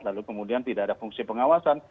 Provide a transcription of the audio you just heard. lalu kemudian tidak ada fungsi pengawasan